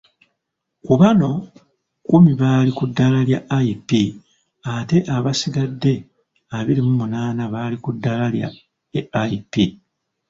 Kubano, kkumi bali kuddaala lya IP ate abasigadde abiri mu munaana bali ku ddaala lya AIP.